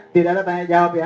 tidak ada tanya jawab ya